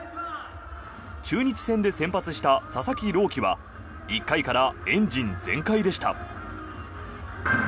中日戦で先発した佐々木朗希は１回からエンジン全開でした。